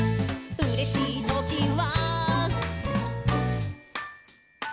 「うれしいときは」